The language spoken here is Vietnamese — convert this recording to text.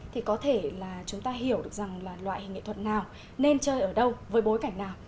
thì có thể là chúng ta hiểu được rằng là loại hình nghệ thuật nào nên chơi ở đâu với bối cảnh nào